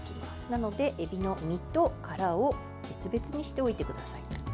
なので、エビの身と殻を別々にしておいてください。